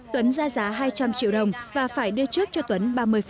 tuấn ra giá hai trăm linh triệu đồng và phải đưa trước cho tuấn ba mươi